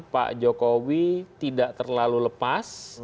pak jokowi tidak terlalu lepas